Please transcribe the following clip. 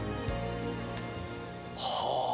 はあ。